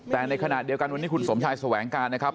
แต่ในขณะเดียวกันวันนี้คุณสมชายแสวงการนะครับ